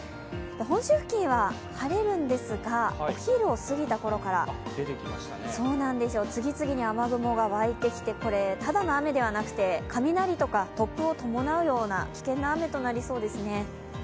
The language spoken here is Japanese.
本州付近は晴れるんですが、お昼を過ぎたころから次々に雨雲が湧いてきて、ただの雨ではなくて、雷や突風を伴うような危険な雨となりそうですね。